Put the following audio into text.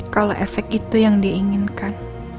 kalau efek itu yang diinginkan